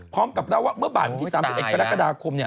พร้อมกับเล่าว่าเมื่อบ่ายวันที่๓๑กรกฎาคมเนี่ย